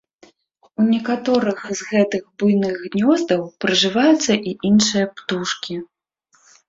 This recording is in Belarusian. У некаторых з гэтых буйных гнёздаў прыжываюцца і іншыя птушкі.